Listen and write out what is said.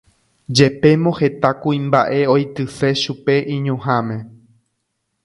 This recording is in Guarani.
Jepémo heta kuimba'e oityse chupe iñuhãme